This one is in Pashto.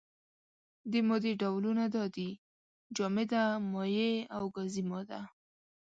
د مادې ډولونه دا دي: جامده، مايع او گازي ماده.